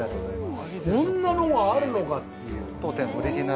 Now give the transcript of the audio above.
こんなのがあるのかっていう。